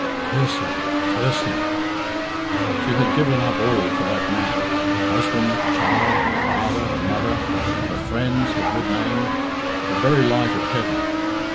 Curse him! Curse him! She had given up all for that man husband, child, father, mother, her friends, her good name, the very light of heaven.